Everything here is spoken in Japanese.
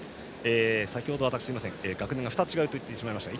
先程、私、学年が２つ違うと言ってしまいました。